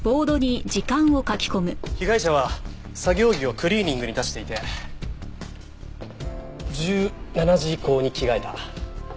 被害者は作業着をクリーニングに出していて１７時以降に着替えた。